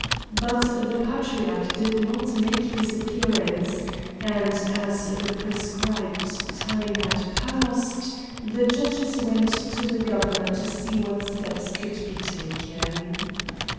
But the Patriarch did not make his appearance, and as the prescribed time had passed, the judges went to the Governor to see what steps should be taken.